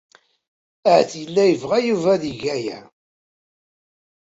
Ahat yella yebɣa Yuba ad yeg aya.